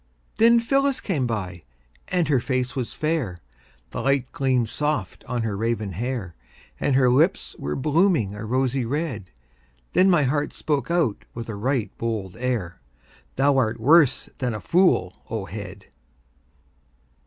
Then Phyllis came by, and her face was fair, The light gleamed soft on her raven hair; And her lips were blooming a rosy red. Then my heart spoke out with a right bold air: "Thou art worse than a fool, O head!"